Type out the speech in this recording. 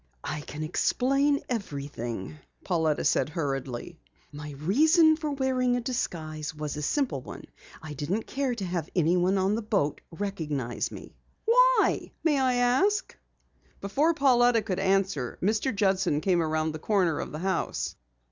"I can explain everything," Pauletta said hurriedly. "My reason for wearing a disguise was a simple one. I didn't care to have anyone on the boat recognize me." "Why, may I ask?" Before Pauletta could answer, Mr. Judson came around the corner of the house.